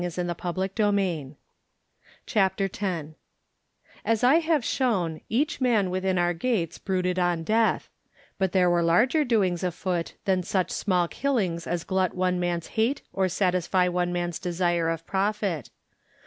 51 Digitized by Google CHAPTER X 4S I have shown, each man within our £\ gates brooded on death; but there were larger doings afoot than such small killings as glut one man's hate or satisfy one man's desire of profit.